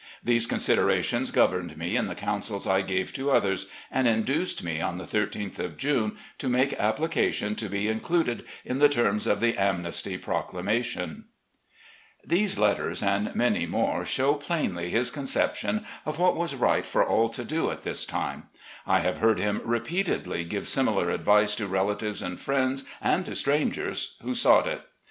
These consider ations governed me in the cotmsels I gave to others, and induced me on the 13th of June to make application to be included in the terms of the amnesty proclama tion. ,.• The "War Governor" of Virginia. i64 recollections op general lee These letters and many more show plainly his concep tion of what was right for all to do at this time. I have heard him repeatedly give similar advice to relatives and friends and to strangers who sought it.